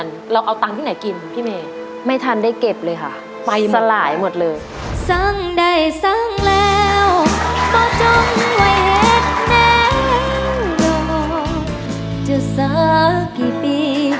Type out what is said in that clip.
จะสักกี่ปีที่รอดอกที่ก็รอได้